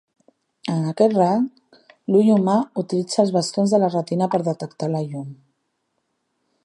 En aquest rang, l'ull humà utilitza els bastons de la retina per detectar la llum.